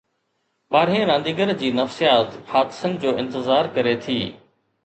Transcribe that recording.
ٻارهين رانديگر جي نفسيات حادثن جو انتظار ڪري ٿي.